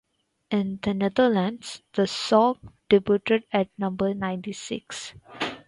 In the Netherlands, the song debuted at number ninety-six.